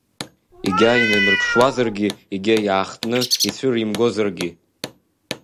Егьа инаимырԥшуазаргьы, егьа иаахтны ицәыримгозаргьы…